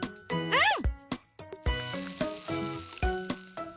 うん。